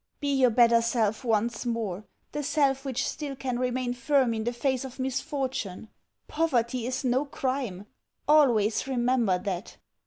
Be your better self once more the self which still can remain firm in the face of misfortune. Poverty is no crime; always remember that.